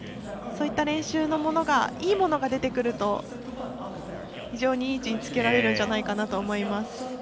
そういった練習のものがいいものが出てくると非常にいい位置につけられるんじゃないかなと思います。